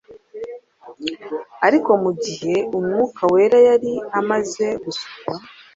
ariko mu gihe Umwuka wera yari amaze gusukwa,